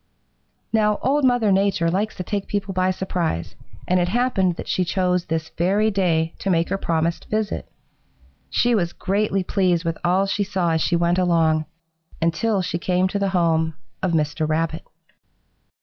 "Now Old Mother Nature likes to take people by surprise, and it happened that she chose this very day to make her promised visit. She was greatly pleased with all she saw as she went along, until she came to the home of Mr. Rabbit.